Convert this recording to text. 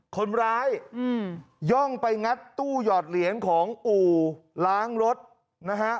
คนร้ายย่องไปงัดตู้หยอดเหรียญของอู่ล้างรถนะฮะ